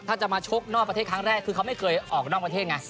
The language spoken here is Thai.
ถ้าจะมาชกนอกประเทศครั้งแรกคือเขาไม่เคยออกนอกประเทศไง